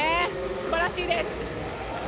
素晴らしいです。